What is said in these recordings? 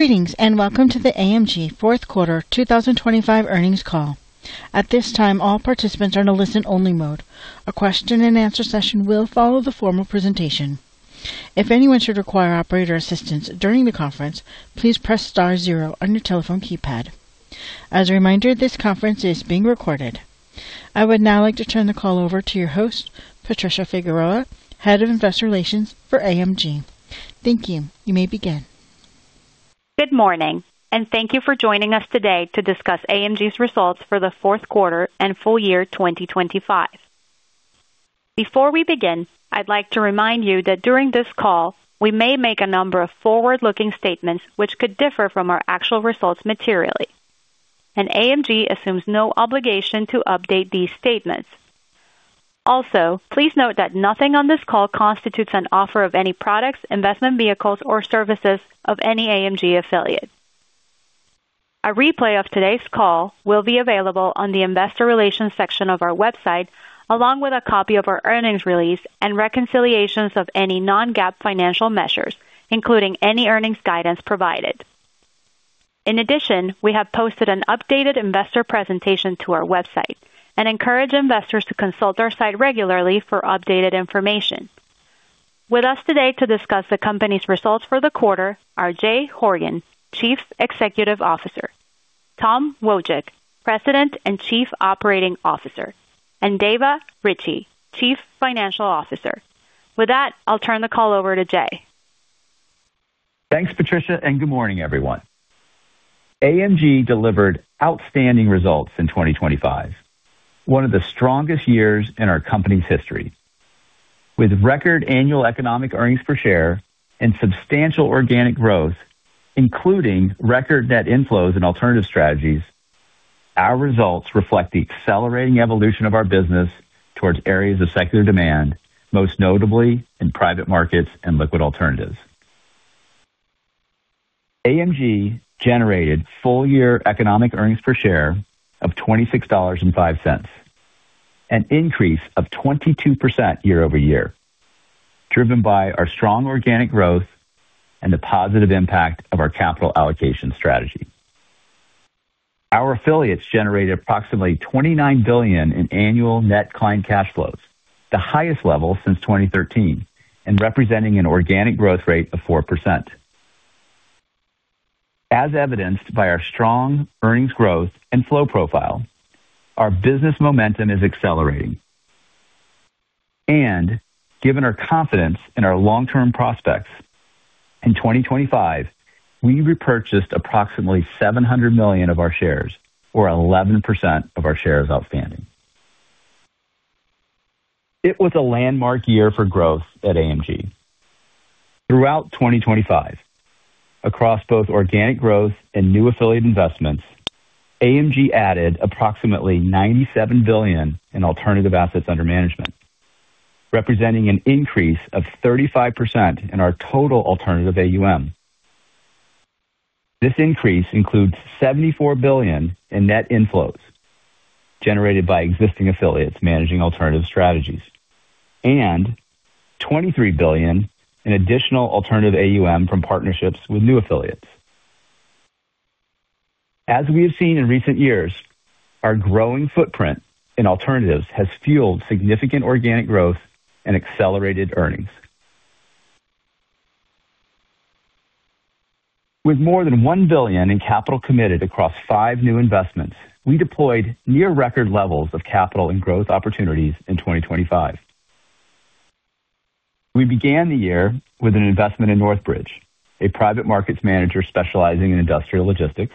Greetings, and welcome to the AMG Fourth Quarter 2025 earnings call. At this time, all participants are in a listen-only mode. A question and answer session will follow the formal presentation. If anyone should require operator assistance during the conference, please press star zero on your telephone keypad. As a reminder, this conference is being recorded. I would now like to turn the call over to your host, Patricia Figueroa, Head of Investor Relations for AMG. Thank you. You may begin. Good morning, and thank you for joining us today to discuss AMG's results for the Fourth Quarter and Full Year 2025. Before we begin, I'd like to remind you that during this call, we may make a number of forward-looking statements which could differ from our actual results materially, and AMG assumes no obligation to update these statements. Also, please note that nothing on this call constitutes an offer of any products, investment vehicles, or services of any AMG affiliate. A replay of today's call will be available on the Investor Relations section of our website, along with a copy of our earnings release and reconciliations of any non-GAAP financial measures, including any earnings guidance provided. In addition, we have posted an updated investor presentation to our website and encourage investors to consult our site regularly for updated information. With us today to discuss the company's results for the quarter are Jay Horgen, Chief Executive Officer, Tom Wojcik, President and Chief Operating Officer, and Dava Ritchea, Chief Financial Officer. With that, I'll turn the call over to Jay. Thanks, Patricia, and good morning, everyone. AMG delivered outstanding results in 2025, one of the strongest years in our company's history. With record annual economic earnings per share and substantial organic growth, including record net inflows and alternative strategies, our results reflect the accelerating evolution of our business towards areas of secular demand, most notably in private markets and liquid alternatives. AMG generated full-year economic earnings per share of $26.05, an increase of 22% year-over-year, driven by our strong organic growth and the positive impact of our capital allocation strategy. Our affiliates generated approximately $29 billion in annual net client cash flows, the highest level since 2013, and representing an organic growth rate of 4%. As evidenced by our strong earnings growth and flow profile, our business momentum is accelerating, and given our confidence in our long-term prospects, in 2025, we repurchased approximately $700 million of our shares for 11% of our shares outstanding. It was a landmark year for growth at AMG. Throughout 2025, across both organic growth and new affiliate investments, AMG added approximately $97 billion in alternative assets under management, representing an increase of 35% in our total alternative AUM. This increase includes $74 billion in net inflows generated by existing affiliates managing alternative strategies, and $23 billion in additional alternative AUM from partnerships with new affiliates. As we have seen in recent years, our growing footprint in alternatives has fueled significant organic growth and accelerated earnings. With more than $1 billion in capital committed across five new investments, we deployed near-record levels of capital and growth opportunities in 2025. We began the year with an investment in Northbridge, a private markets manager specializing in industrial logistics,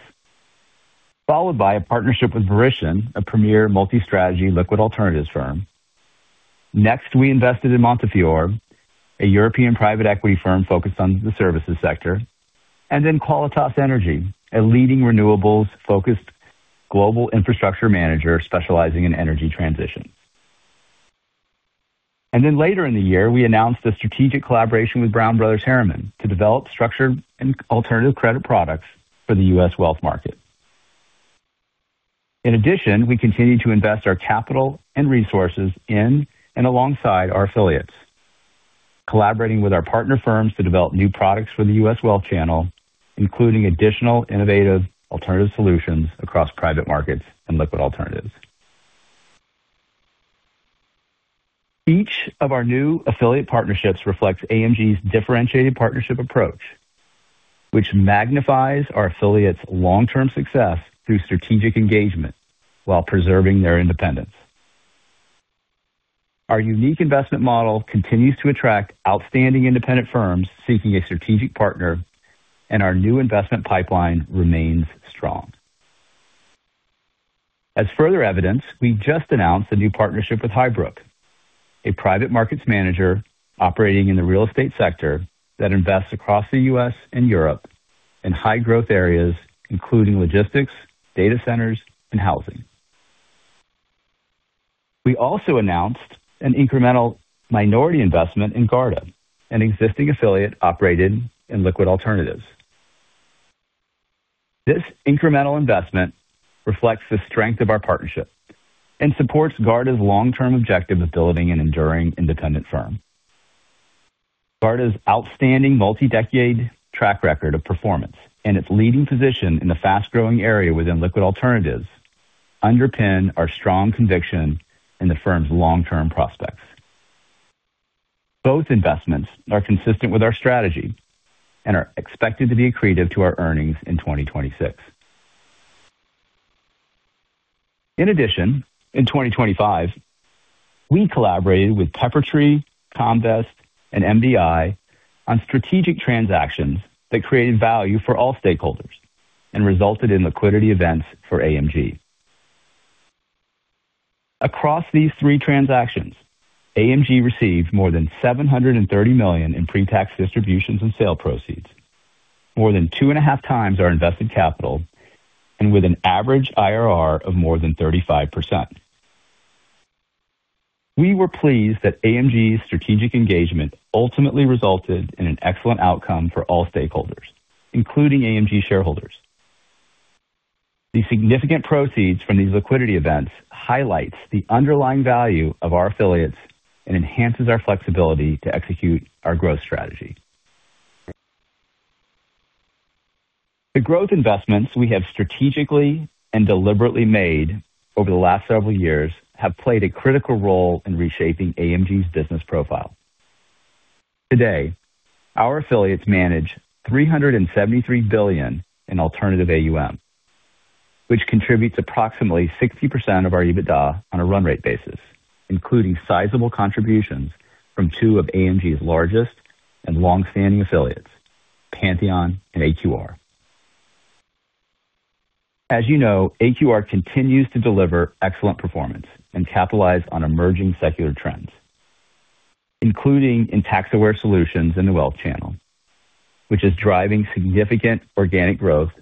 followed by a partnership with Verition, a premier multi-strategy liquid alternatives firm. Next, we invested in Montefiore, a European private equity firm focused on the services sector, and then Qualitas Energy, a leading renewables-focused global infrastructure manager specializing in energy transition. Then later in the year, we announced a strategic collaboration with Brown Brothers Harriman to develop structured and alternative credit products for the U.S. wealth market. In addition, we continued to invest our capital and resources in and alongside our affiliates, collaborating with our partner firms to develop new products for the U.S. wealth channel, including additional innovative alternative solutions across private markets and liquid alternatives. Each of our new affiliate partnerships reflects AMG's differentiated partnership approach, which magnifies our affiliates' long-term success through strategic engagement while preserving their independence. Our unique investment model continues to attract outstanding independent firms seeking a strategic partner, and our new investment pipeline remains strong. As further evidence, we just announced a new partnership with HighBrook, a private markets manager operating in the real estate sector that invests across the U.S. and Europe in high-growth areas, including logistics, data centers, and housing. We also announced an incremental minority investment in Garda, an existing affiliate operated in liquid alternatives. This incremental investment reflects the strength of our partnership and supports Garda's long-term objective of building an enduring independent firm. Garda's outstanding multi-decade track record of performance and its leading position in the fast-growing area within liquid alternatives underpin our strong conviction in the firm's long-term prospects. Both investments are consistent with our strategy and are expected to be accretive to our earnings in 2026. In addition, in 2025, we collaborated with Peppertree, Comvest, and MBI on strategic transactions that created value for all stakeholders and resulted in liquidity events for AMG. Across these three transactions, AMG received more than $730 million in pre-tax distributions and sale proceeds, more than 2.5x our invested capital, and with an average IRR of more than 35%. We were pleased that AMG's strategic engagement ultimately resulted in an excellent outcome for all stakeholders, including AMG shareholders. The significant proceeds from these liquidity events highlights the underlying value of our affiliates and enhances our flexibility to execute our growth strategy. The growth investments we have strategically and deliberately made over the last several years have played a critical role in reshaping AMG's business profile. Today, our affiliates manage $373 billion in alternative AUM, which contributes approximately 60% of our EBITDA on a run rate basis, including sizable contributions from two of AMG's largest and long-standing affiliates, Pantheon and AQR. As you know, AQR continues to deliver excellent performance and capitalize on emerging secular trends, including in tax-aware solutions in the wealth channel, which is driving significant organic growth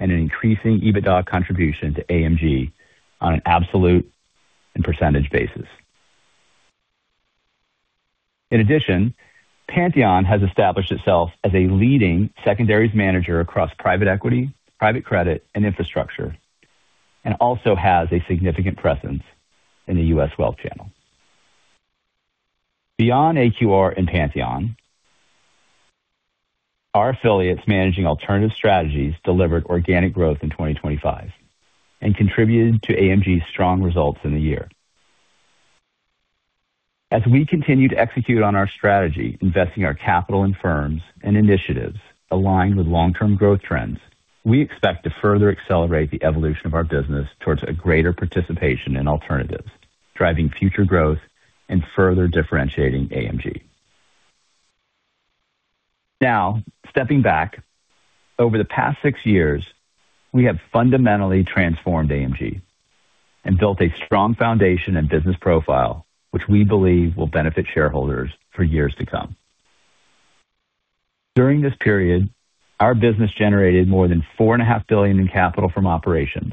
and an increasing EBITDA contribution to AMG on an absolute and percentage basis. In addition, Pantheon has established itself as a leading secondaries manager across private equity, private credit, and infrastructure, and also has a significant presence in the U.S. wealth channel. Beyond AQR and Pantheon, our affiliates managing alternative strategies delivered organic growth in 2025 and contributed to AMG's strong results in the year. As we continue to execute on our strategy, investing our capital in firms and initiatives aligned with long-term growth trends, we expect to further accelerate the evolution of our business towards a greater participation in alternatives, driving future growth and further differentiating AMG. Now, stepping back, over the past six years, we have fundamentally transformed AMG and built a strong foundation and business profile, which we believe will benefit shareholders for years to come. During this period, our business generated more than $4.5 billion in capital from operations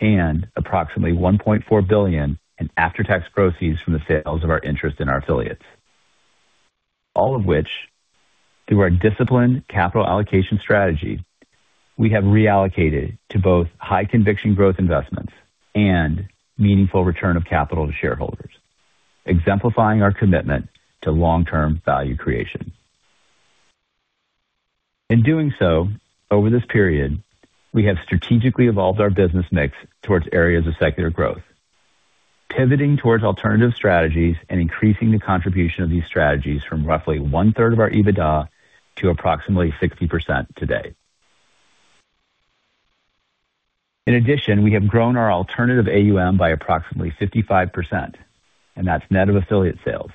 and approximately $1.4 billion in after-tax proceeds from the sales of our interest in our affiliates. All of which, through our disciplined capital allocation strategy, we have reallocated to both high-conviction growth investments and meaningful return of capital to shareholders, exemplifying our commitment to long-term value creation. In doing so, over this period, we have strategically evolved our business mix towards areas of secular growth, pivoting towards alternative strategies and increasing the contribution of these strategies from roughly 1/3 of our EBITDA to approximately 60% today. In addition, we have grown our alternative AUM by approximately 55%, and that's net of affiliate sales,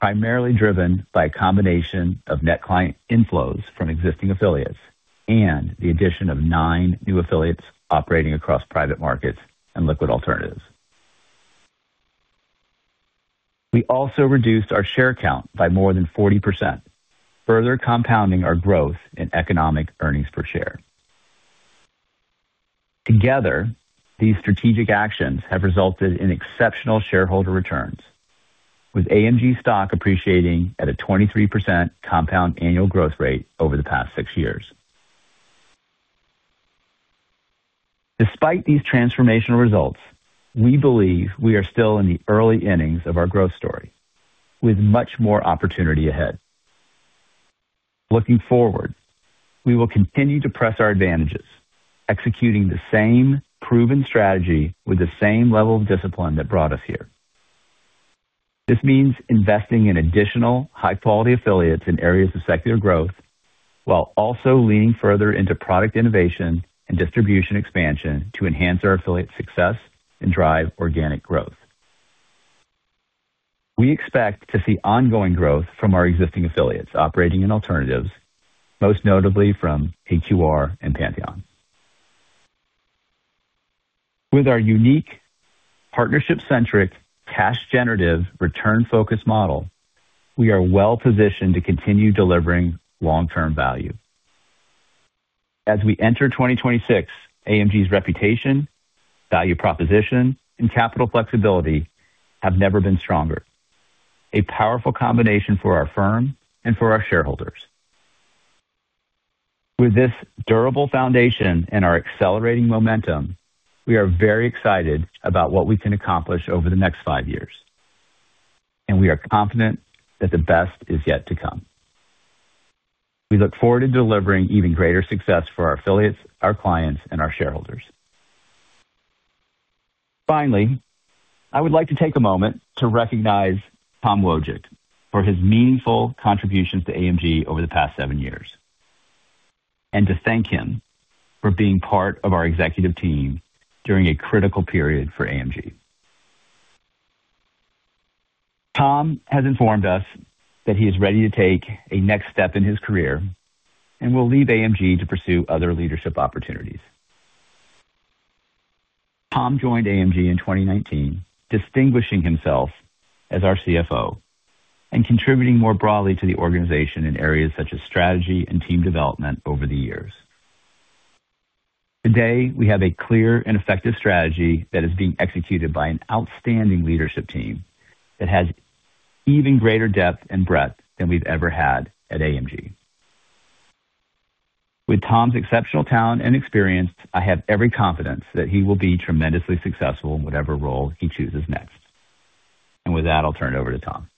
primarily driven by a combination of net client inflows from existing affiliates and the addition of nine new affiliates operating across private markets and liquid alternatives. We also reduced our share count by more than 40%, further compounding our growth in economic earnings per share. Together, these strategic actions have resulted in exceptional shareholder returns, with AMG stock appreciating at a 23% compound annual growth rate over the past six years. Despite these transformational results, we believe we are still in the early innings of our growth story with much more opportunity ahead. Looking forward, we will continue to press our advantages, executing the same proven strategy with the same level of discipline that brought us here. This means investing in additional high-quality affiliates in areas of secular growth, while also leaning further into product innovation and distribution expansion to enhance our affiliate success and drive organic growth. We expect to see ongoing growth from our existing affiliates operating in alternatives, most notably from AQR and Pantheon. With our unique, partnership-centric, cash-generative, return-focused model, we are well positioned to continue delivering long-term value. As we enter 2026, AMG's reputation, value proposition, and capital flexibility have never been stronger. A powerful combination for our firm and for our shareholders. With this durable foundation and our accelerating momentum, we are very excited about what we can accomplish over the next five years, and we are confident that the best is yet to come. We look forward to delivering even greater success for our affiliates, our clients, and our shareholders. Finally, I would like to take a moment to recognize Tom Wojcik for his meaningful contributions to AMG over the past seven years, and to thank him for being part of our executive team during a critical period for AMG. Tom has informed us that he is ready to take a next step in his career and will leave AMG to pursue other leadership opportunities. Tom joined AMG in 2019, distinguishing himself as our CFO and contributing more broadly to the organization in areas such as strategy and team development over the years. Today, we have a clear and effective strategy that is being executed by an outstanding leadership team that has even greater depth and breadth than we've ever had at AMG. With Tom's exceptional talent and experience, I have every confidence that he will be tremendously successful in whatever role he chooses next. With that, I'll turn it over to Tom.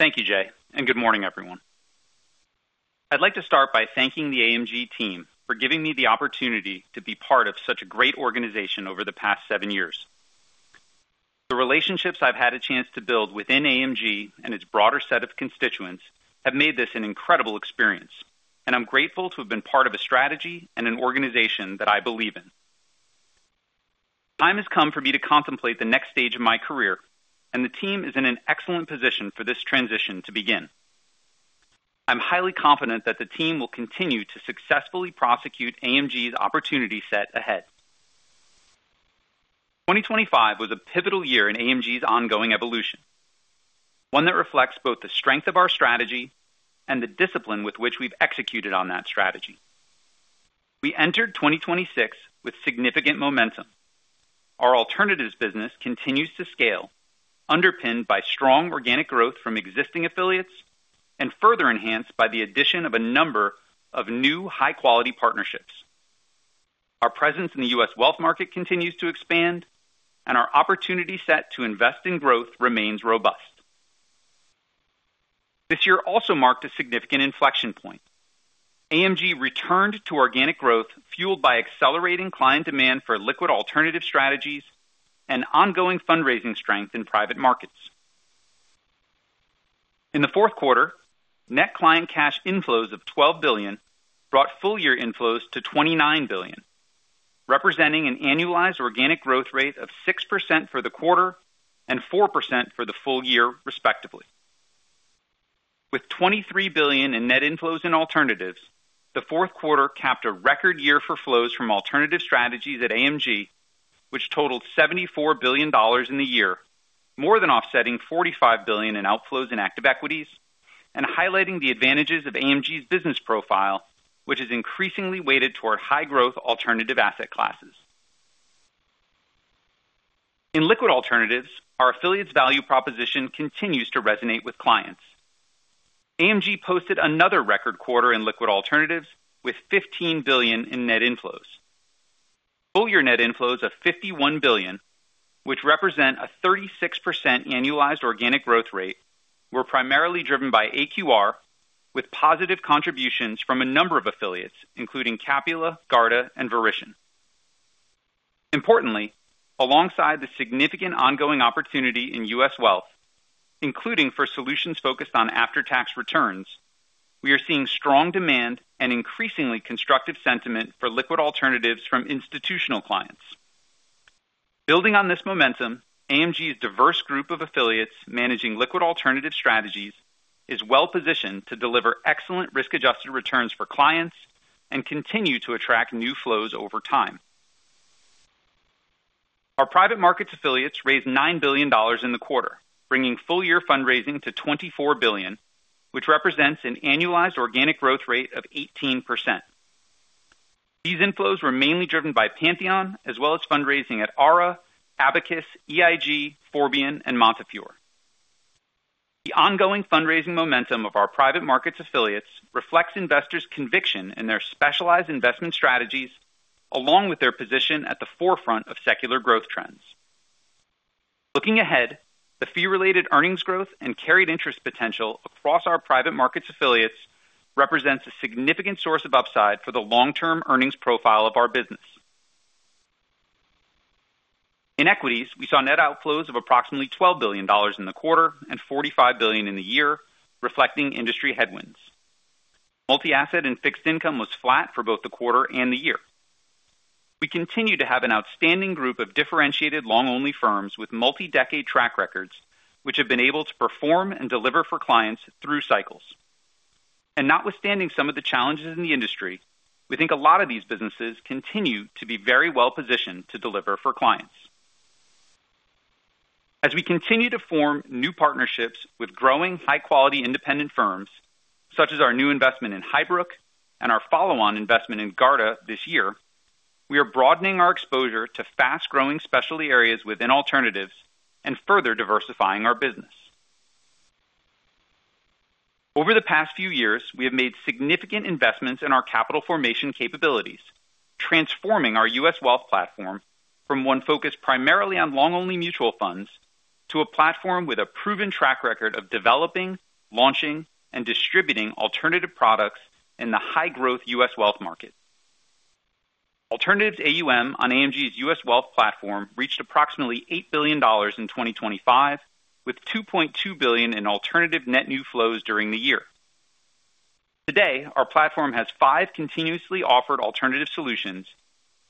Thank you, Jay, and good morning, everyone. I'd like to start by thanking the AMG team for giving me the opportunity to be part of such a great organization over the past seven years. The relationships I've had a chance to build within AMG and its broader set of constituents have made this an incredible experience, and I'm grateful to have been part of a strategy and an organization that I believe in. Time has come for me to contemplate the next stage of my career, and the team is in an excellent position for this transition to begin. I'm highly confident that the team will continue to successfully prosecute AMG's opportunity set ahead. 2025 was a pivotal year in AMG's ongoing evolution, one that reflects both the strength of our strategy and the discipline with which we've executed on that strategy. We entered 2026 with significant momentum. Our alternatives business continues to scale, underpinned by strong organic growth from existing affiliates, and further enhanced by the addition of a number of new, high-quality partnerships. Our presence in the U.S. wealth market continues to expand, and our opportunity set to invest in growth remains robust. This year also marked a significant inflection point. AMG returned to organic growth, fueled by accelerating client demand for liquid alternative strategies and ongoing fundraising strength in private markets. In the fourth quarter, net client cash inflows of $12 billion brought full year inflows to $29 billion, representing an annualized organic growth rate of 6% for the quarter and 4% for the full year, respectively. With $23 billion in net inflows in alternatives, the fourth quarter capped a record year for flows from alternative strategies at AMG, which totaled $74 billion in the year, more than offsetting $45 billion in outflows in active equities and highlighting the advantages of AMG's business profile, which is increasingly weighted toward high growth alternative asset classes. In liquid alternatives, our affiliates' value proposition continues to resonate with clients. AMG posted another record quarter in liquid alternatives with $15 billion in net inflows. Full year net inflows of $51 billion, which represent a 36% annualized organic growth rate, were primarily driven by AQR, with positive contributions from a number of affiliates, including Capula, Garda, and Verition. Importantly, alongside the significant ongoing opportunity in U.S. wealth, including for solutions focused on after-tax returns, we are seeing strong demand and increasingly constructive sentiment for liquid alternatives from institutional clients. Building on this momentum, AMG's diverse group of affiliates managing liquid alternative strategies is well-positioned to deliver excellent risk-adjusted returns for clients and continue to attract new flows over time. Our private markets affiliates raised $9 billion in the quarter, bringing full year fundraising to $24 billion, which represents an annualized organic growth rate of 18%. These inflows were mainly driven by Pantheon, as well as fundraising at Ara, Abacus, EIG, Forbion, and Montefiore. The ongoing fundraising momentum of our private markets affiliates reflects investors' conviction in their specialized investment strategies, along with their position at the forefront of secular growth trends. Looking ahead, the fee-related earnings growth and carried interest potential across our private markets affiliates represents a significant source of upside for the long-term earnings profile of our business. In equities, we saw net outflows of approximately $12 billion in the quarter and $45 billion in the year, reflecting industry headwinds. Multi-asset and fixed income was flat for both the quarter and the year. We continue to have an outstanding group of differentiated long-only firms with multi-decade track records, which have been able to perform and deliver for clients through cycles. Notwithstanding some of the challenges in the industry, we think a lot of these businesses continue to be very well-positioned to deliver for clients. As we continue to form new partnerships with growing, high-quality independent firms, such as our new investment in HighBrook and our follow-on investment in Garda this year. We are broadening our exposure to fast-growing specialty areas within alternatives and further diversifying our business. Over the past few years, we have made significant investments in our capital formation capabilities, transforming our U.S. wealth platform from one focused primarily on long-only mutual funds, to a platform with a proven track record of developing, launching, and distributing alternative products in the high-growth U.S. wealth market. Alternatives AUM on AMG's U.S. wealth platform reached approximately $8 billion in 2025, with $2.2 billion in alternative net new flows during the year. Today, our platform has five continuously offered alternative solutions,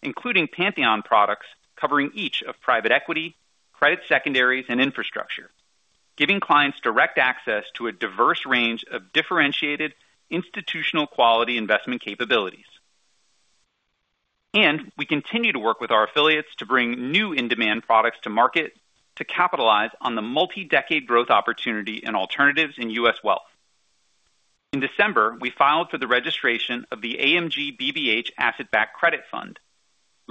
including Pantheon products, covering each of private equity, credit secondaries, and infrastructure, giving clients direct access to a diverse range of differentiated, institutional-quality investment capabilities. We continue to work with our affiliates to bring new in-demand products to market to capitalize on the multi-decade growth opportunity in alternatives in U.S. wealth. In December, we filed for the registration of the AMG BBH Asset-Backed Credit Fund,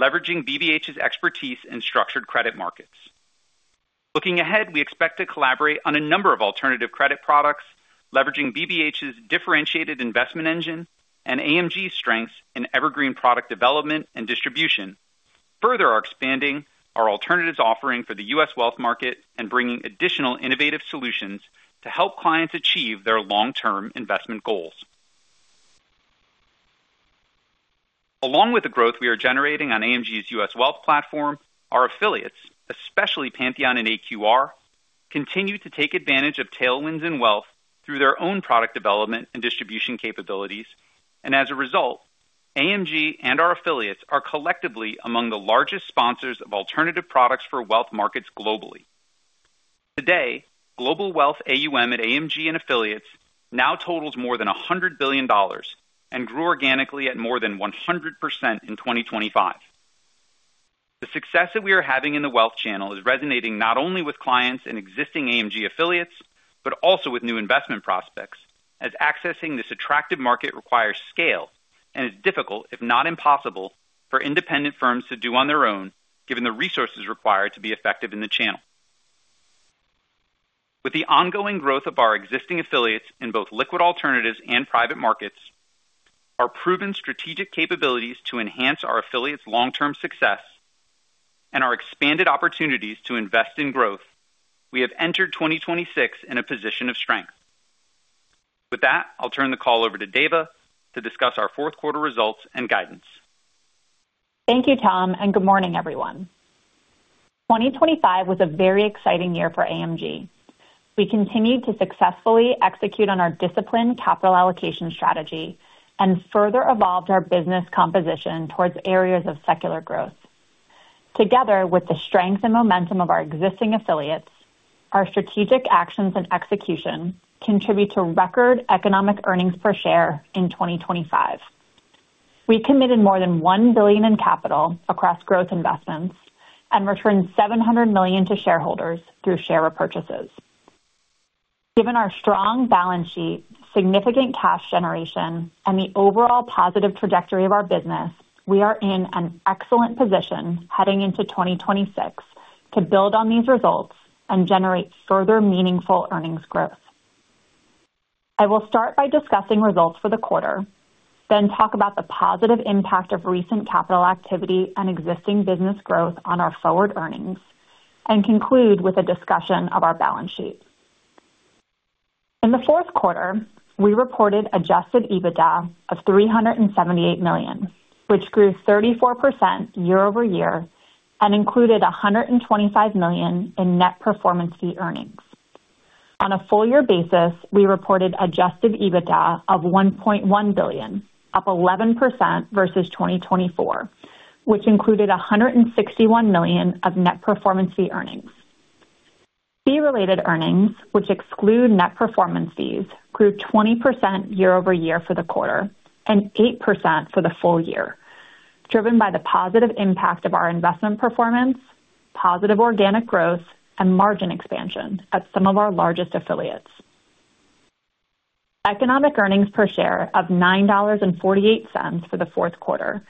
leveraging BBH's expertise in structured credit markets. Looking ahead, we expect to collaborate on a number of alternative credit products, leveraging BBH's differentiated investment engine and AMG's strengths in evergreen product development and distribution, further expanding our alternatives offering for the U.S. wealth market and bringing additional innovative solutions to help clients achieve their long-term investment goals. Along with the growth we are generating on AMG's U.S. wealth platform, our affiliates, especially Pantheon and AQR, continue to take advantage of tailwinds and wealth through their own product development and distribution capabilities, and as a result, AMG and our affiliates are collectively among the largest sponsors of alternative products for wealth markets globally. Today, global wealth AUM at AMG and affiliates now totals more than $100 billion and grew organically at more than 100% in 2025. The success that we are having in the wealth channel is resonating not only with clients and existing AMG affiliates, but also with new investment prospects, as accessing this attractive market requires scale and is difficult, if not impossible, for independent firms to do on their own, given the resources required to be effective in the channel. With the ongoing growth of our existing affiliates in both liquid alternatives and private markets, our proven strategic capabilities to enhance our affiliates' long-term success, and our expanded opportunities to invest in growth, we have entered 2026 in a position of strength. With that, I'll turn the call over to Dava to discuss our fourth quarter results and guidance. Thank you, Tom, and good morning, everyone. 2025 was a very exciting year for AMG. We continued to successfully execute on our disciplined capital allocation strategy and further evolved our business composition towards areas of secular growth. Together with the strength and momentum of our existing affiliates, our strategic actions and execution contribute to record economic earnings per share in 2025. We committed more than $1 billion in capital across growth investments and returned $700 million to shareholders through share repurchases. Given our strong balance sheet, significant cash generation, and the overall positive trajectory of our business, we are in an excellent position heading into 2026 to build on these results and generate further meaningful earnings growth. I will start by discussing results for the quarter, then talk about the positive impact of recent capital activity and existing business growth on our forward earnings, and conclude with a discussion of our balance sheet. In the fourth quarter, we reported Adjusted EBITDA of $378 million, which grew 34% year-over-year and included $125 million in net performance fee earnings. On a full year basis, we reported Adjusted EBITDA of $1.1 billion, up 11% versus 2024, which included $161 million of net performance fee earnings. Fee-related earnings, which exclude net performance fees, grew 20% year-over-year for the quarter and 8% for the full year, driven by the positive impact of our investment performance, positive organic growth, and margin expansion at some of our largest affiliates. Economic earnings per share of $9.48 for the fourth quarter,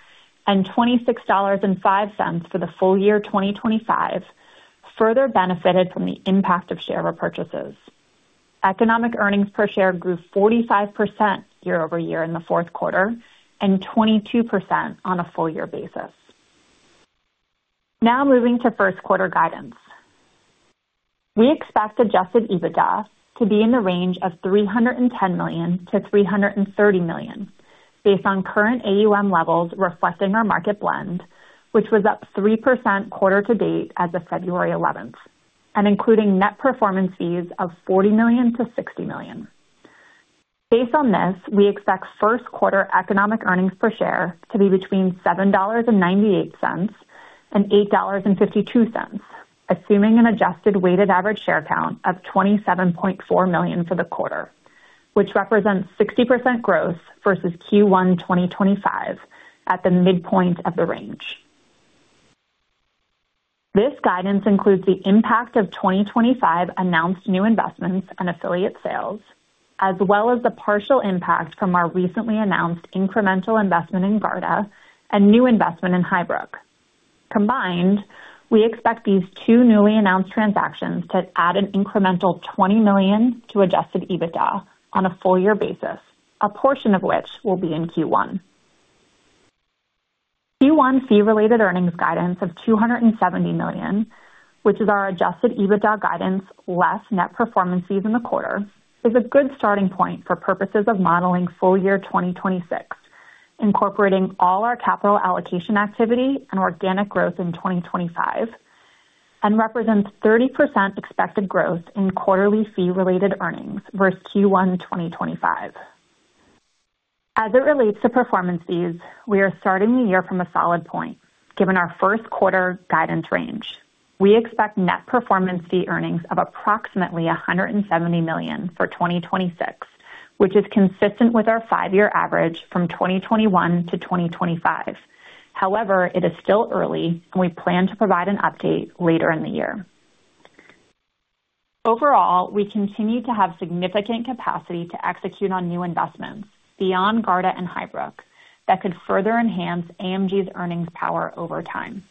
and $26.05 for the full year 2025, further benefited from the impact of share repurchases. Economic earnings per share grew 45% year-over-year in the fourth quarter and 22% on a full year basis. Now moving to first quarter guidance. We expect Adjusted EBITDA to be in the range of $310 million-$330 million, based on current AUM levels reflecting our market blend, which was up 3% quarter to date as of February 11, and including net performance fees of $40 million-$60 million. Based on this, we expect first quarter economic earnings per share to be between $7.98 and $8.52, assuming an adjusted weighted average share count of 27.4 million for the quarter, which represents 60% growth versus Q1 2025, at the midpoint of the range. This guidance includes the impact of 2025 announced new investments and affiliate sales, as well as the partial impact from our recently announced incremental investment in Garda and new investment in HighBrook. Combined, we expect these two newly announced transactions to add an incremental $20 million to Adjusted EBITDA on a full year basis, a portion of which will be in Q1. Q1 fee-related earnings guidance of $270 million, which is our Adjusted EBITDA guidance less net performance fees in the quarter, is a good starting point for purposes of modeling full year 2026, incorporating all our capital allocation activity and organic growth in 2025, and represents 30% expected growth in quarterly fee-related earnings versus Q1 2025. As it relates to performance fees, we are starting the year from a solid point, given our first quarter guidance range. We expect net performance fee earnings of approximately $170 million for 2026, which is consistent with our five-year average from 2021-2025. However, it is still early, and we plan to provide an update later in the year. Overall, we continue to have significant capacity to execute on new investments beyond Garda and HighBrook that could further enhance AMG's earnings power over time.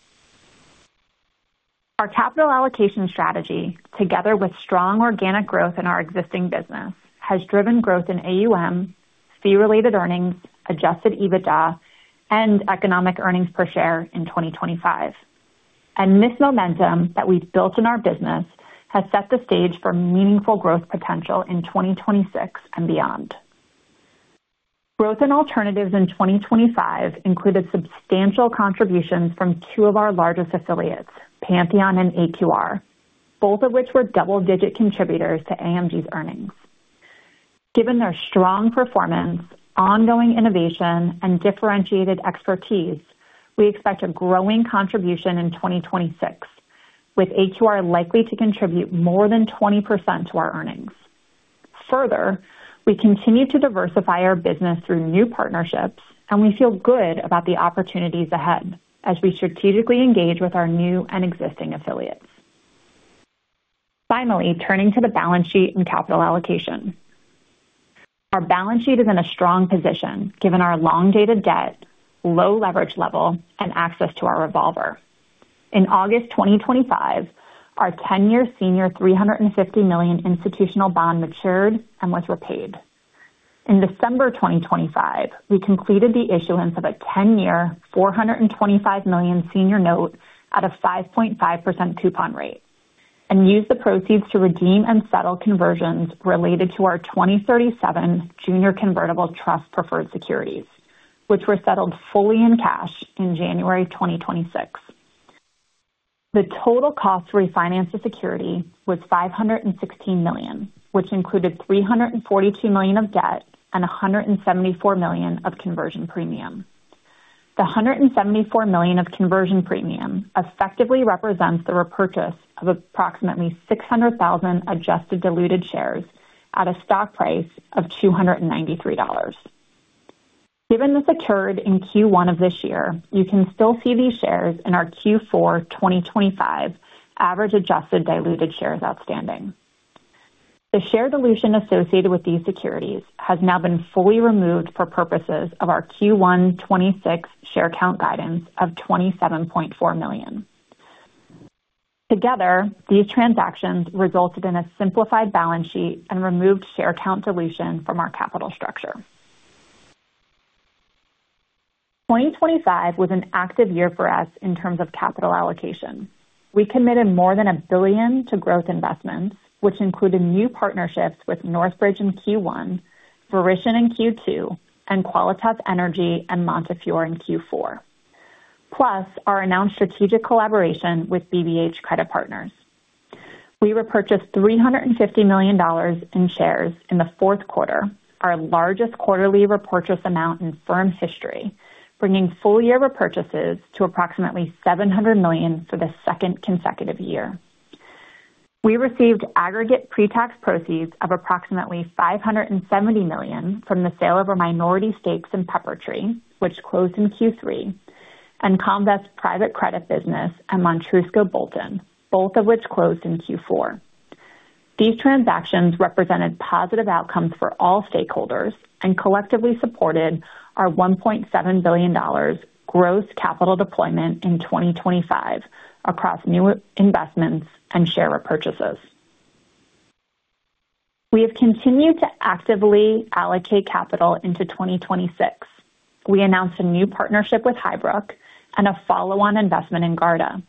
Our capital allocation strategy, together with strong organic growth in our existing business, has driven growth in AUM, Fee-Related Earnings, Adjusted EBITDA, and Economic Earnings Per Share in 2025, and this momentum that we've built in our business has set the stage for meaningful growth potential in 2026 and beyond. Growth in alternatives in 2025 included substantial contributions from two of our largest affiliates, Pantheon and AQR, both of which were double-digit contributors to AMG's earnings. Given their strong performance, ongoing innovation, and differentiated expertise, we expect a growing contribution in 2026, with AQR likely to contribute more than 20% to our earnings. Further, we continue to diversify our business through new partnerships, and we feel good about the opportunities ahead as we strategically engage with our new and existing affiliates. Finally, turning to the balance sheet and capital allocation. Our balance sheet is in a strong position, given our long-dated debt, low leverage level, and access to our revolver. In August 2025, our ten-year senior $350 million institutional bond matured and was repaid. In December 2025, we completed the issuance of a ten-year, $425 million senior note at a 5.5% coupon rate and used the proceeds to redeem and settle conversions related to our 2037 junior convertible trust preferred securities, which were settled fully in cash in January 2026. The total cost to refinance the security was $516 million, which included $342 million of debt and $174 million of conversion premium. The $174 million of conversion premium effectively represents the repurchase of approximately 600,000 adjusted diluted shares at a stock price of $293. Given this occurred in Q1 of this year, you can still see these shares in our Q4 2025 average adjusted diluted shares outstanding. The share dilution associated with these securities has now been fully removed for purposes of our Q1 2026 share count guidance of 27.4 million. Together, these transactions resulted in a simplified balance sheet and removed share count dilution from our capital structure. 2025 was an active year for us in terms of capital allocation. We committed more than $1 billion to growth investments, which included new partnerships with Northbridge in Q1, Verition in Q2, and Qualitas Energy and Montefiore in Q4, plus our announced strategic collaboration with BBH Credit Partners. We repurchased $350 million in shares in the fourth quarter, our largest quarterly repurchase amount in firm's history, bringing full-year repurchases to approximately $700 million for the second consecutive year. We received aggregate pretax proceeds of approximately $570 million from the sale of our minority stakes in Peppertree, which closed in Q3, and Comvest's private credit business and Montrusco Bolton, both of which closed in Q4. These transactions represented positive outcomes for all stakeholders and collectively supported our $1.7 billion gross capital deployment in 2025 across new investments and share repurchases. We have continued to actively allocate capital into 2026. We announced a new partnership with HighBrook and a follow-on investment in Garda.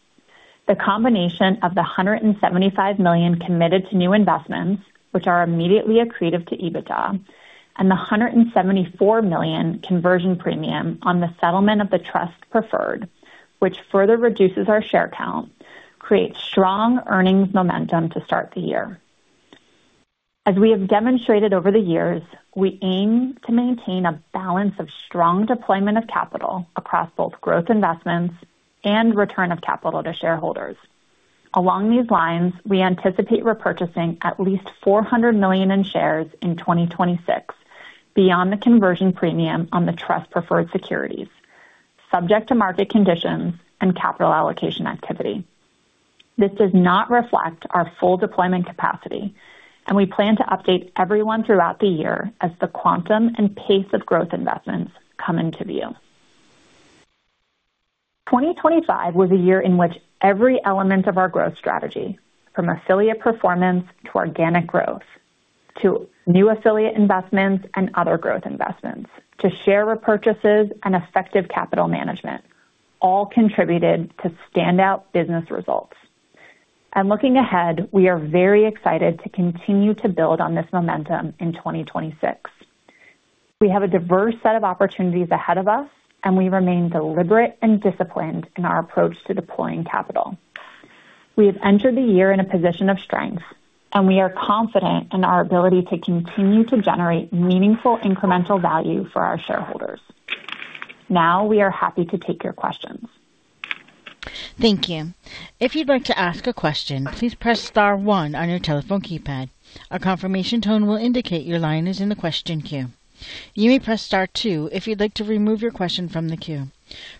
The combination of the $175 million committed to new investments, which are immediately accretive to EBITDA, and the $174 million conversion premium on the settlement of the trust preferred, which further reduces our share count, creates strong earnings momentum to start the year. As we have demonstrated over the years, we aim to maintain a balance of strong deployment of capital across both growth investments and return of capital to shareholders. Along these lines, we anticipate repurchasing at least $400 million in shares in 2026. Beyond the conversion premium on the trust preferred securities, subject to market conditions and capital allocation activity. This does not reflect our full deployment capacity, and we plan to update everyone throughout the year as the quantum and pace of growth investments come into view. 2025 was a year in which every element of our growth strategy, from affiliate performance to organic growth, to new affiliate investments and other growth investments, to share repurchases and effective capital management, all contributed to standout business results. Looking ahead, we are very excited to continue to build on this momentum in 2026. We have a diverse set of opportunities ahead of us, and we remain deliberate and disciplined in our approach to deploying capital. We have entered the year in a position of strength, and we are confident in our ability to continue to generate meaningful incremental value for our shareholders. Now we are happy to take your questions. Thank you. If you'd like to ask a question, please press star one on your telephone keypad. A confirmation tone will indicate your line is in the question queue. You may press star two if you'd like to remove your question from the queue.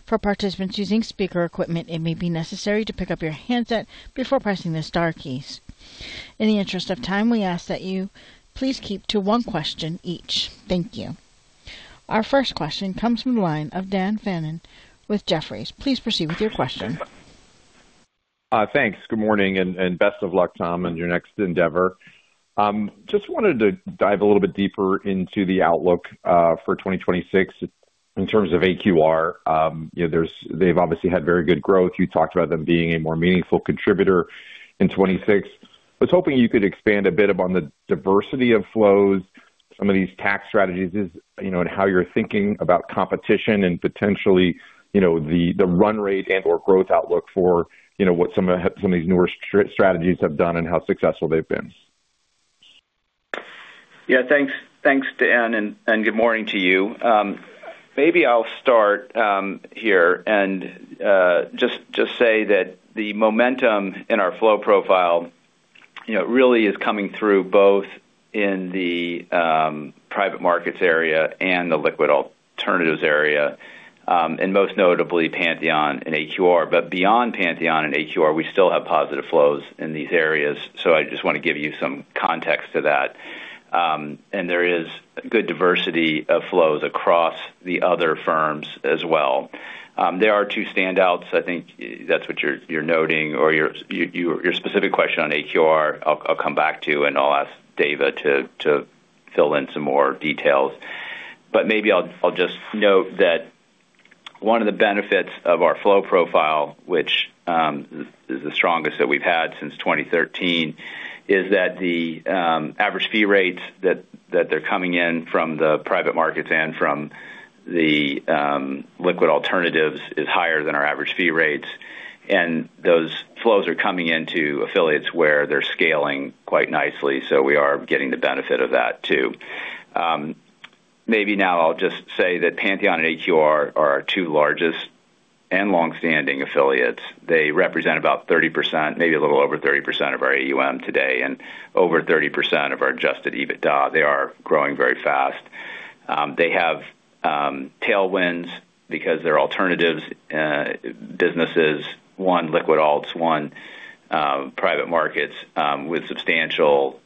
For participants using speaker equipment, it may be necessary to pick up your handset before pressing the star keys. In the interest of time, we ask that you please keep to one question each. Thank you. Our first question comes from the line of Dan Fannon with Jefferies. Please proceed with your question. Thanks. Good morning, and best of luck, Tom, in your next endeavor. Just wanted to dive a little bit deeper into the outlook for 2026 in terms of AQR. You know, there's, they've obviously had very good growth. You talked about them being a more meaningful contributor in 2026. I was hoping you could expand a bit upon the diversity of flows, some of these tax strategies is, you know, and how you're thinking about competition and potentially, you know, the, the run rate and/or growth outlook for, you know, what some of, some of these newer strategies have done and how successful they've been. Yeah, thanks. Thanks, Dan, and good morning to you. Maybe I'll start here and just say that the momentum in our flow profile, you know, really is coming through both in the private markets area and the liquid alternatives area, and most notably, Pantheon and AQR. Beyond Pantheon and AQR, we still have positive flows in these areas. I just want to give you some context to that. There is good diversity of flows across the other firms as well. There are two standouts. I think that's what you're noting or your specific question on AQR. I'll come back to, and I'll ask Dava to fill in some more details. Maybe I'll just note that one of the benefits of our flow profile, which is the strongest that we've had since 2013, is that the average fee rates that they're coming in from the private markets and from the liquid alternatives is higher than our average fee rates. Those flows are coming into affiliates where they're scaling quite nicely, so we are getting the benefit of that, too. Maybe now I'll just say that Pantheon and AQR are our two largest and long-standing affiliates. They represent about 30%, maybe a little over 30% of our AUM today, and over 30% of our Adjusted EBITDA. They are growing very fast. They have tailwinds because they're alternatives businesses, one liquid alts, one private markets, with substantial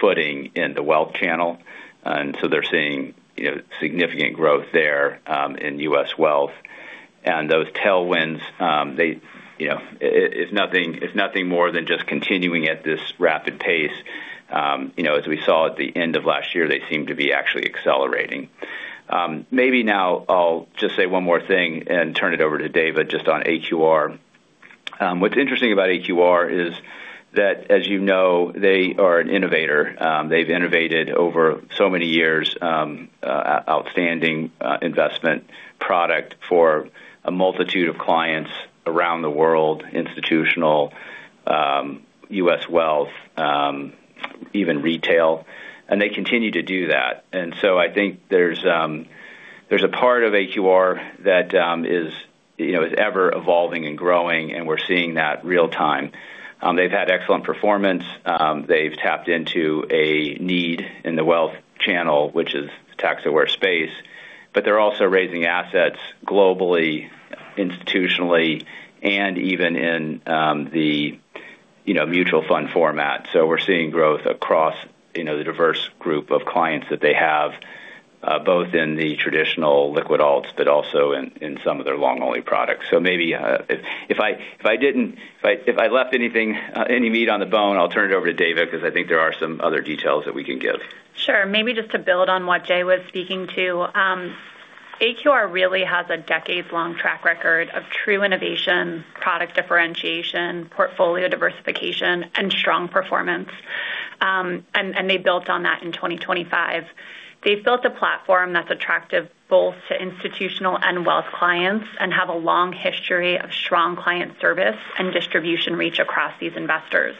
footing in the wealth channel, and so they're seeing, you know, significant growth there, in U.S. wealth. Those tailwinds, they, you know, it, it's nothing, it's nothing more than just continuing at this rapid pace. You know, as we saw at the end of last year, they seem to be actually accelerating. Maybe now I'll just say one more thing and turn it over to Dava just on AQR. What's interesting about AQR is that, as you know, they are an innovator. They've innovated over so many years, outstanding investment product for a multitude of clients around the world, institutional, U.S. wealth, even retail, and they continue to do that. I think there's a part of AQR that, you know, is ever evolving and growing, and we're seeing that real time. They've had excellent performance. They've tapped into a need in the wealth channel, which is tax-aware space, but they're also raising assets globally, institutionally, and even in the, you know, mutual fund format. We're seeing growth across, you know, the diverse group of clients that they have, both in the traditional liquid alts, but also in some of their long-only products. Maybe, if I left any meat on the bone, I'll turn it over to Dava, because I think there are some other details that we can give. Sure. Maybe just to build on what Jay was speaking to. AQR really has a decades-long track record of true innovation, product differentiation, portfolio diversification, and strong performance. They built on that in 2025. They've built a platform that's attractive both to institutional and wealth clients and have a long history of strong client service and distribution reach across these investors.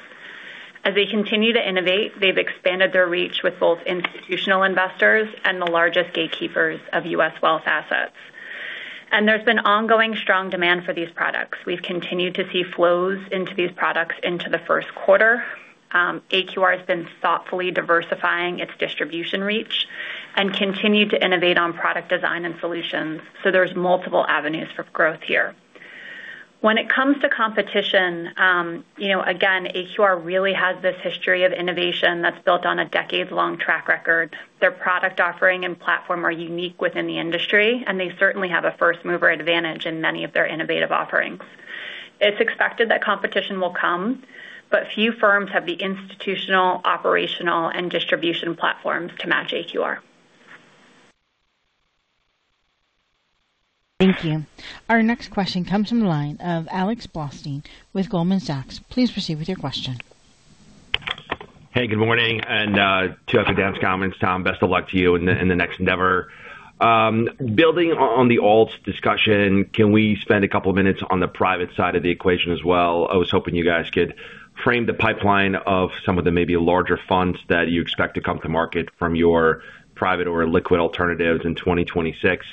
As they continue to innovate, they've expanded their reach with both institutional investors and the largest gatekeepers of U.S. wealth assets. There's been ongoing strong demand for these products. We've continued to see flows into these products into the first quarter. AQR has been thoughtfully diversifying its distribution reach and continued to innovate on product design and solutions, so there's multiple avenues for growth here. When it comes to competition, you know, again, AQR really has this history of innovation that's built on a decades-long track record. Their product offering and platform are unique within the industry, and they certainly have a first-mover advantage in many of their innovative offerings. It's expected that competition will come, but few firms have the institutional, operational, and distribution platforms to match AQR. Thank you. Our next question comes from the line of Alex Blostein with Goldman Sachs. Please proceed with your question. Hey, good morning, and to Dan's comments, Tom, best of luck to you in the next endeavor. Building on the alts discussion, can we spend a couple of minutes on the private side of the equation as well? I was hoping you guys could frame the pipeline of some of the maybe larger funds that you expect to come to market from your private or liquid alternatives in 2026,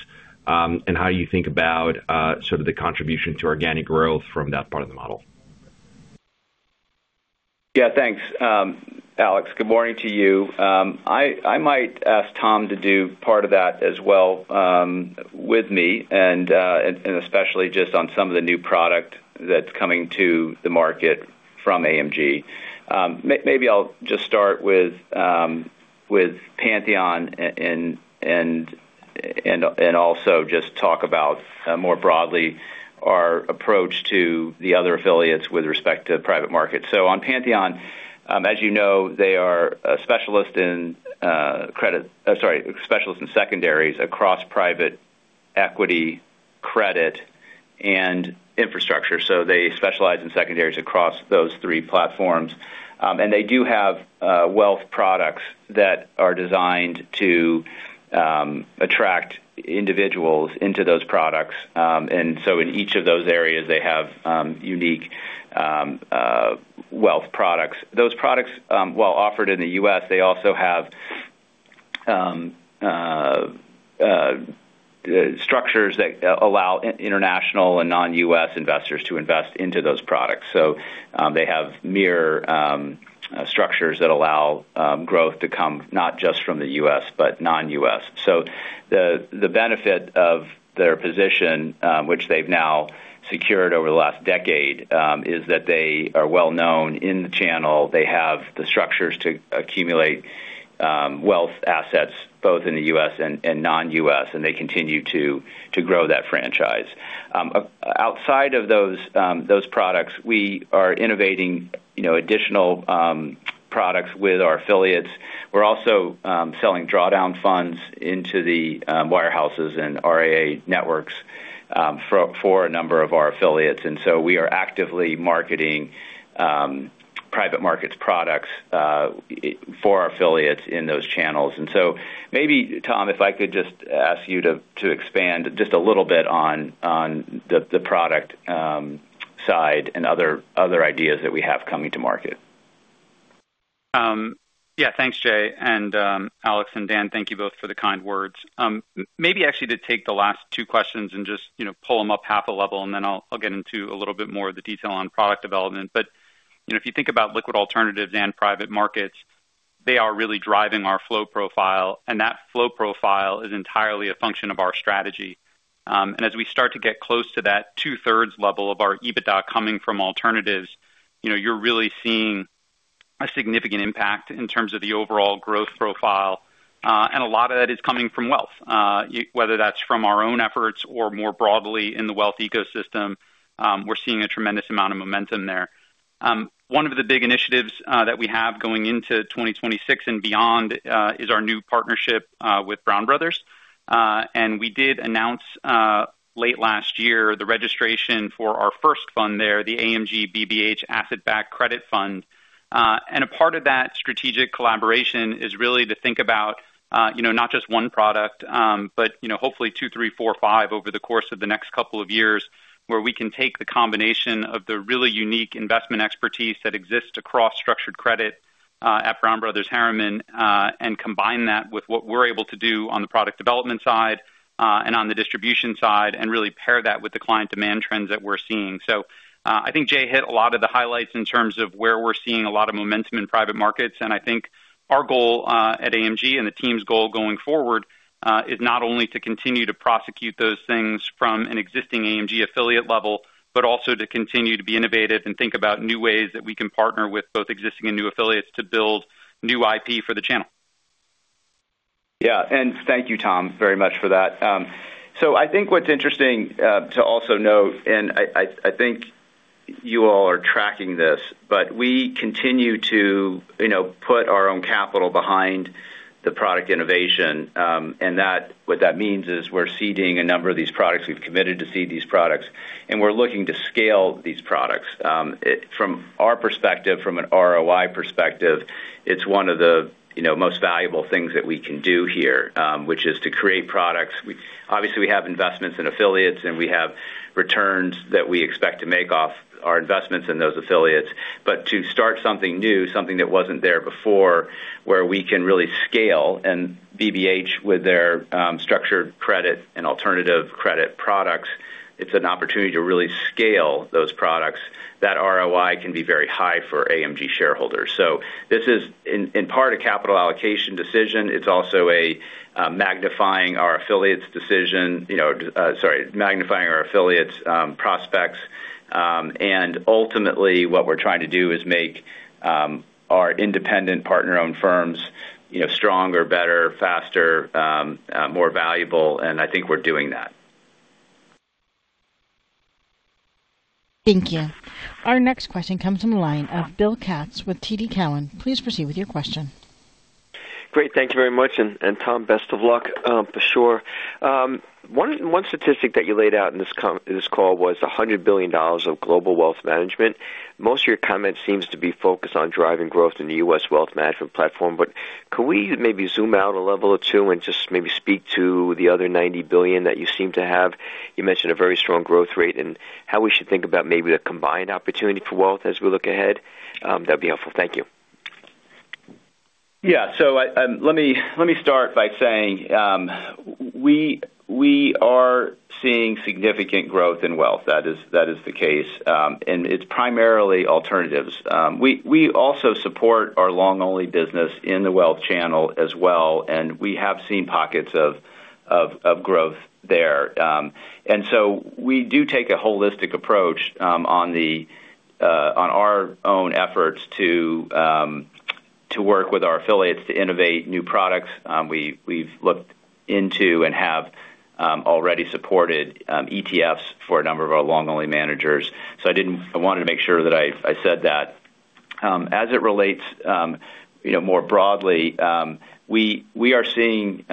and how you think about sort of the contribution to organic growth from that part of the model. Yeah, thanks, Alex, good morning to you. I might ask Tom to do part of that as well with me, and especially just on some of the new product that's coming to the market from AMG. Maybe I'll just start with Pantheon and also just talk about, more broadly, our approach to the other affiliates with respect to private markets. On Pantheon, as you know, they are specialists in secondaries across private equity, credit, and infrastructure. They specialize in secondaries across those three platforms. They do have wealth products that are designed to attract individuals into those products. In each of those areas, they have unique wealth products. Those products, while offered in the U.S., they also have structures that allow international and non-U.S. investors to invest into those products. They have mirror structures that allow growth to come, not just from the U.S., but non-U.S. The benefit of their position, which they've now secured over the last decade, is that they are well known in the channel. They have the structures to accumulate wealth assets, both in the U.S. and non-U.S., and they continue to grow that franchise. Outside of those products, we are innovating, you know, additional products with our affiliates. We're also selling drawdown funds into the wirehouses and RIA networks for a number of our affiliates. We are actively marketing private markets products for our affiliates in those channels. Tom, if I could just ask you to expand just a little bit on the product side and other ideas that we have coming to market. Yeah, thanks, Jay, and, Alex and Dan, thank you both for the kind words. Maybe actually to take the last two questions and just, you know, pull them up half a level, and then I'll get into a little bit more of the detail on product development. You know, if you think about liquid alternatives and private markets, they are really driving our flow profile, and that flow profile is entirely a function of our strategy. As we start to get close to that two-thirds level of our EBITDA coming from alternatives, you know, you're really seeing a significant impact in terms of the overall growth profile, and a lot of that is coming from wealth. Whether that's from our own efforts or more broadly in the wealth ecosystem, we're seeing a tremendous amount of momentum there. One of the big initiatives that we have going into 2026 and beyond is our new partnership with Brown Brothers. We did announce late last year the registration for our first fund there, the AMG BBH Asset-Backed Credit Fund. A part of that strategic collaboration is really to think about, you know, not just 1 product, but, you know, hopefully 2, 3, 4, 5 over the course of the next couple of years, where we can take the combination of the really unique investment expertise that exists across structured credit at Brown Brothers Harriman and combine that with what we're able to do on the product development side and on the distribution side, and really pair that with the client demand trends that we're seeing. I think Jay hit a lot of the highlights in terms of where we're seeing a lot of momentum in private markets. I think our goal at AMG and the team's goal going forward is not only to continue to prosecute those things from an existing AMG affiliate level, but also to continue to be innovative and think about new ways that we can partner with both existing and new affiliates to build new IP for the channel. Yeah, and thank you, Tom, very much for that. I think what's interesting to also note, and I think you all are tracking this, but we continue to, you know, put our own capital behind the product innovation. What that means is we're seeding a number of these products. We've committed to seed these products, and we're looking to scale these products. From our perspective, from an ROI perspective, it's one of the, you know, most valuable things that we can do here, which is to create products. We obviously, we have investments in affiliates, and we have returns that we expect to make off our investments in those affiliates. To start something new, something that wasn't there before, where we can really scale, and BBH, with their structured credit and alternative credit products, it's an opportunity to really scale those products. That ROI can be very high for AMG shareholders. This is in part, a capital allocation decision. It's also a magnifying our affiliates decision, you know, magnifying our affiliates prospects. Ultimately, what we're trying to do is make our independent partner-owned firms, you know, stronger, better, faster, more valuable, and I think we're doing that. Thank you. Our next question comes from the line of Bill Katz with TD Cowen. Please proceed with your question. Great. Thank you very much, and Tom, best of luck for sure. One statistic that you laid out in this call was $100 billion of global wealth management. Most of your comment seems to be focused on driving growth in the U.S. wealth management platform, but could we maybe zoom out a level or two and just maybe speak to the other $90 billion that you seem to have? You mentioned a very strong growth rate and how we should think about maybe the combined opportunity for wealth as we look ahead. That'd be helpful. Thank you. Yeah, so I, let me start by saying, we are seeing significant growth in wealth. That is the case, and it's primarily alternatives. We also support our long-only business in the wealth channel as well, and we have seen pockets of growth there. We do take a holistic approach, on our own efforts to work with our affiliates to innovate new products. We've looked into and have, already supported, ETFs for a number of our long-only managers. I didn't, I wanted to make sure that I said that. As it relates, you know, more broadly, we, we are seeing,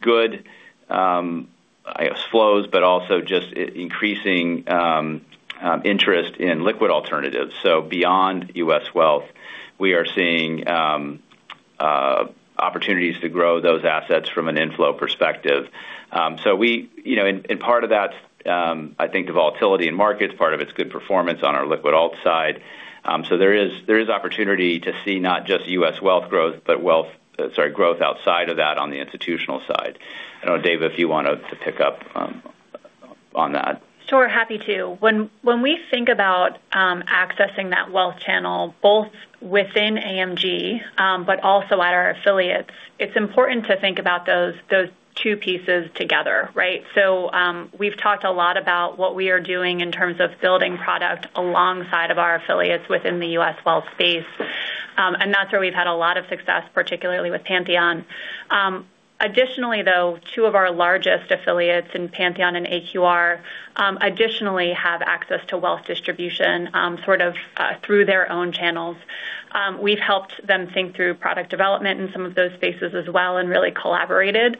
good, I guess, flows, but also just increasing, interest in liquid alternatives. Beyond U.S. wealth, we are seeing opportunities to grow those assets from an inflow perspective. You know, and part of that, I think, the volatility in markets, part of it's good performance on our liquid alt side. There is opportunity to see not just U.S. wealth growth, sorry, growth outside of that on the institutional side. I know, Dava, if you want to pick up on that. Sure, happy to. When we think about accessing that wealth channel, both within AMG, but also at our affiliates, it's important to think about those two pieces together, right? We've talked a lot about what we are doing in terms of building product alongside of our affiliates within the U.S. wealth space. That's where we've had a lot of success, particularly with Pantheon. Additionally, though, two of our largest affiliates in Pantheon and AQR, additionally have access to wealth distribution, sort of, through their own channels. We've helped them think through product development in some of those spaces as well and really collaborated.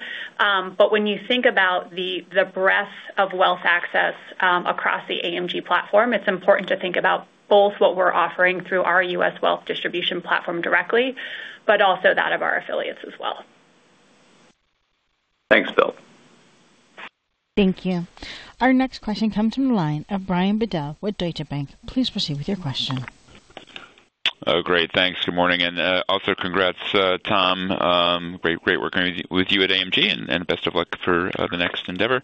When you think about the breadth of wealth access across the AMG platform, it's important to think about both what we're offering through our U.S. wealth distribution platform directly, but also that of our affiliates as well. Thanks, Bill. Thank you. Our next question comes from the line of Brian Bedell with Deutsche Bank. Please proceed with your question. Oh, great. Thanks. Good morning, and also congrats, Tom. Great working with you at AMG, and best of luck for the next endeavor.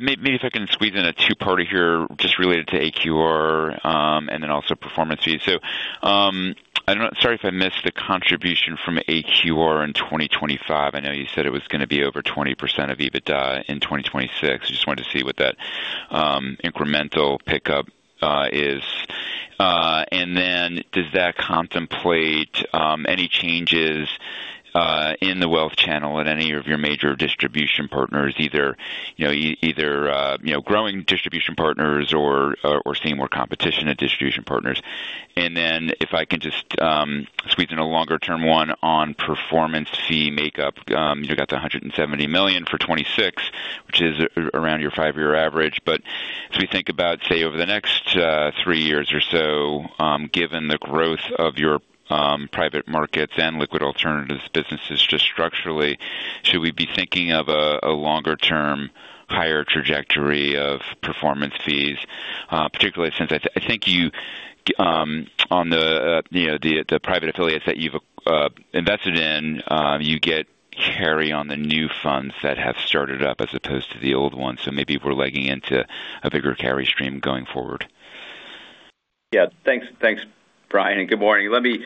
Maybe if I can squeeze in a two-parter here, just related to AQR, and then also performance fees. Sorry if I missed the contribution from AQR in 2025. I know you said it was going to be over 20% of EBITDA in 2026. Just wanted to see what that incremental pickup is. Then does that contemplate any changes in the wealth channel at any of your major distribution partners, either you know, either growing distribution partners or seeing more competition at distribution partners? Then if I can just squeeze in a longer-term one on performance fee makeup. You got the $170 million for 2026, which is around your five-year average. As we think about, say, over the next three years or so, given the growth of your private markets and liquid alternatives businesses, just structurally, should we be thinking of a longer-term higher trajectory of performance fees? Particularly since I think you, on the, you know, the private affiliates that you've invested in, you get carry on the new funds that have started up as opposed to the old ones. Maybe we're legging into a bigger carry stream going forward? Yeah, thanks, Brian, and good morning. Let me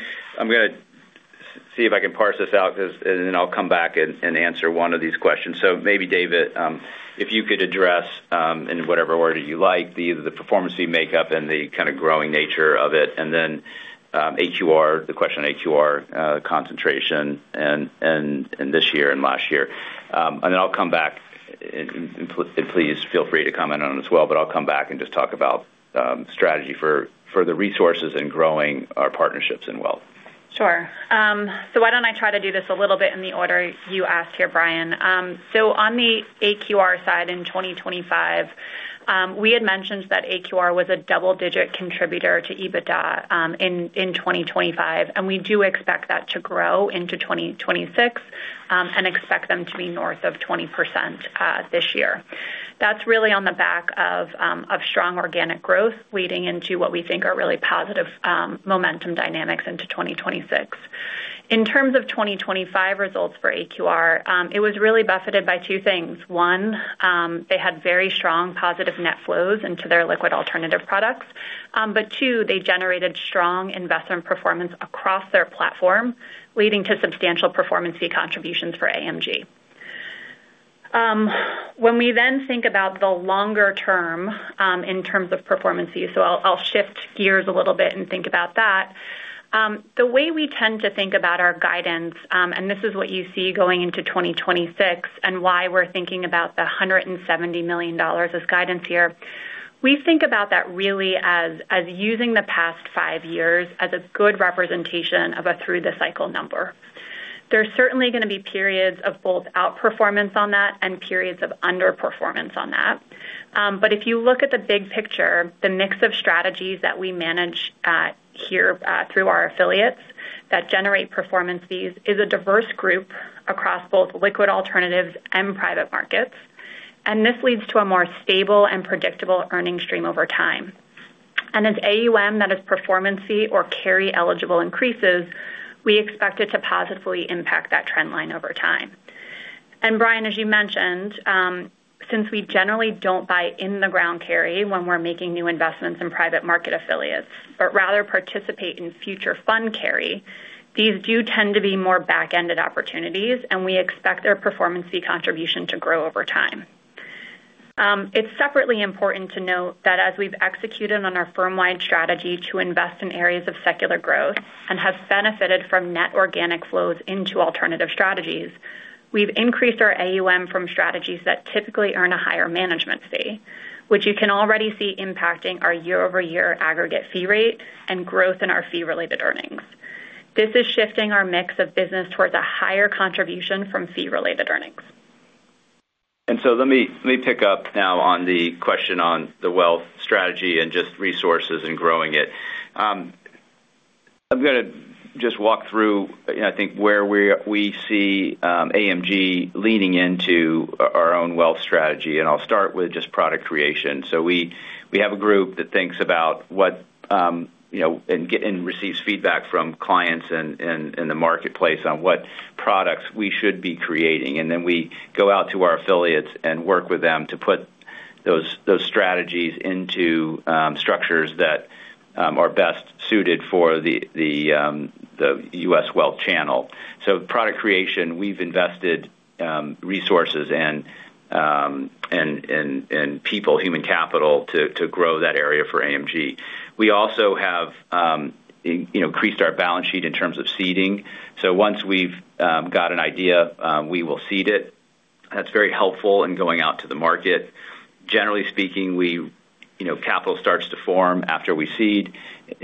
see if I can parse this out, 'cause and then I'll come back and answer one of these questions. Maybe, Dava, if you could address, in whatever order you like, the performance fee makeup and the kind of growing nature of it, and then AQR, the question on AQR, concentration and this year and last year. Then I'll come back, and please feel free to comment on it as well, but I'll come back and just talk about strategy for the resources in growing our partnerships and wealth. Sure. Why don't I try to do this a little bit in the order you asked here, Brian? On the AQR side, in 2025, we had mentioned that AQR was a double-digit contributor to EBITDA, in 2025, and we do expect that to grow into 2026, and expect them to be north of 20%, this year. That's really on the back of, of strong organic growth, leading into what we think are really positive, momentum dynamics into 2026. In terms of 2025 results for AQR, it was really buffeted by two things. One, they had very strong positive net flows into their liquid alternative products. Two, they generated strong investment performance across their platform, leading to substantial performance fee contributions for AMG. When we then think about the longer term, in terms of performance fees, so I'll shift gears a little bit and think about that. The way we tend to think about our guidance, and this is what you see going into 2026, and why we're thinking about the $170 million as guidance here. We think about that really as, as using the past five years as a good representation of a through-the-cycle number. There's certainly going to be periods of both outperformance on that and periods of underperformance on that. If you look at the big picture, the mix of strategies that we manage, here, through our affiliates that generate performance fees, is a diverse group across both liquid alternatives and private markets. This leads to a more stable and predictable earning stream over time. As AUM, that is performance fee or carry-eligible increases, we expect it to positively impact that trend line over time. Brian, as you mentioned, since we generally don't buy in-the-ground carry when we're making new investments in private market affiliates, but rather participate in future fund carry, these do tend to be more back-ended opportunities, and we expect their performance fee contribution to grow over time. It's separately important to note that as we've executed on our firm-wide strategy to invest in areas of secular growth and have benefited from net organic flows into alternative strategies, we've increased our AUM from strategies that typically earn a higher management fee. Which you can already see impacting our year-over-year aggregate fee rate and growth in our fee-related earnings. This is shifting our mix of business towards a higher contribution from fee-related earnings. Let me pick up now on the question on the wealth strategy and just resources and growing it. I'm gonna just walk through, I think, where we see AMG leaning into our own wealth strategy, and I'll start with just product creation. We have a group that thinks about what you know and receives feedback from clients and in the marketplace on what products we should be creating. Then we go out to our affiliates and work with them to put those strategies into structures that are best suited for the U.S. wealth channel. Product creation, we've invested resources and people, human capital, to grow that area for AMG. We also have, you know, increased our balance sheet in terms of seeding. Once we've got an idea, we will seed it. That's very helpful in going out to the market. Generally speaking, we, you know, capital starts to form after we seed.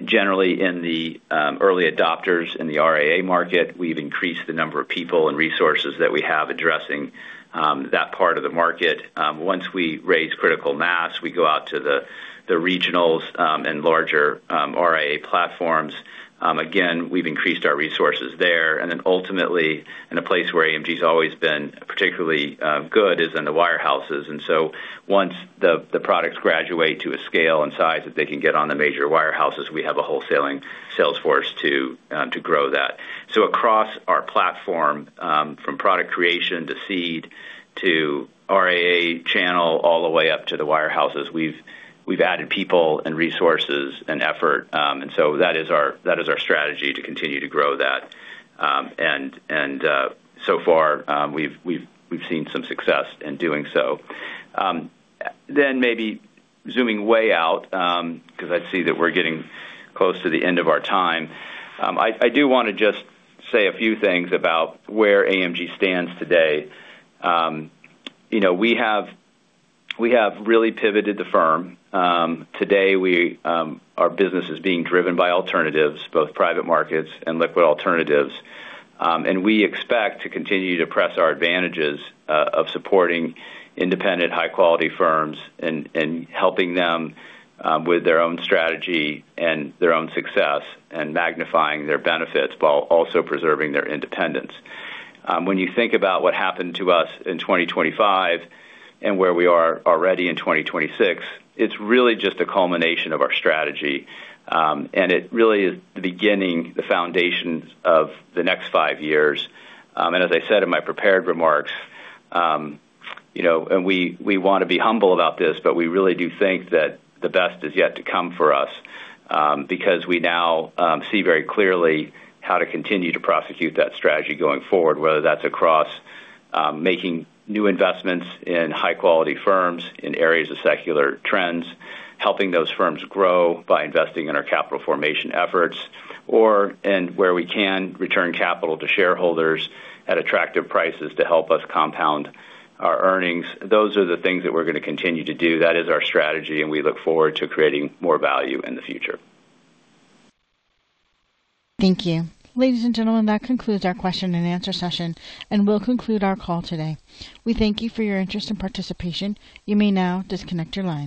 Generally, in the early adopters in the RIA market, we've increased the number of people and resources that we have addressing that part of the market. Once we raise critical mass, we go out to the regionals and larger RIA platforms. Again, we've increased our resources there. Then ultimately, in a place where AMG's always been particularly good, is in the wirehouses. Once the products graduate to a scale and size that they can get on the major wirehouses, we have a wholesaling sales force to grow that. Across our platform, from product creation to seed to RIA channel, all the way up to the wirehouses, we've added people and resources and effort. That is our strategy to continue to grow that. We've seen some success in doing so. Then maybe zooming way out, 'cause I'd see that we're getting close to the end of our time. I do wanna just say a few things about where AMG stands today. You know, we have really pivoted the firm. Today, our business is being driven by alternatives, both private markets and liquid alternatives. We expect to continue to press our advantages of supporting independent, high-quality firms and, and helping them with their own strategy and their own success, and magnifying their benefits, while also preserving their independence. When you think about what happened to us in 2025 and where we are already in 2026, it's really just a culmination of our strategy. It really is the beginning, the foundation of the next five years. As I said in my prepared remarks, you know, and we, we want to be humble about this, but we really do think that the best is yet to come for us. Because we now see very clearly how to continue to prosecute that strategy going forward, whether that's across making new investments in high-quality firms, in areas of secular trends, helping those firms grow by investing in our capital formation efforts, or, and where we can, return capital to shareholders at attractive prices to help us compound our earnings. Those are the things that we're going to continue to do. That is our strategy, and we look forward to creating more value in the future. Thank you. Ladies and gentlemen, that concludes our question and answer session, and we'll conclude our call today. We thank you for your interest and participation. You may now disconnect your line.